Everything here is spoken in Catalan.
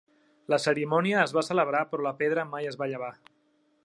La cerimònia es va celebrar però la pedra mai es va llevar.